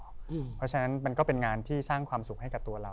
เพราะฉะนั้นมันก็เป็นงานที่สร้างความสุขให้กับตัวเรา